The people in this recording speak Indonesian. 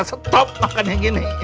berhenti makan yang ini